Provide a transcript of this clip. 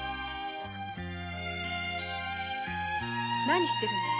何してるの？